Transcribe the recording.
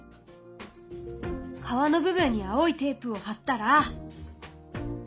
川の部分に青いテープを貼ったら。